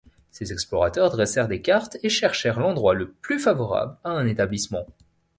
Ces explorateurs dressèrent des cartes et cherchèrent l’endroit le plus favorable à un établissement.